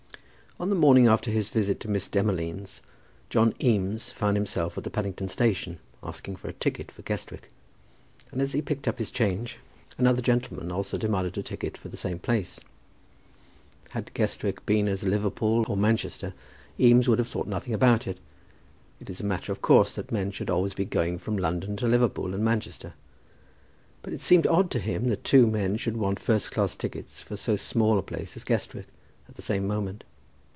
On the morning after his visit to Miss Demolines John Eames found himself at the Paddington Station asking for a ticket for Guestwick, and as he picked up his change another gentleman also demanded a ticket for the same place. Had Guestwick been as Liverpool or Manchester, Eames would have thought nothing about it. It is a matter of course that men should always be going from London to Liverpool and Manchester; but it seemed odd to him that two men should want first class tickets for so small a place as Guestwick at the same moment.